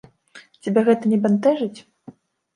Цябе гэта не бянтэжыць?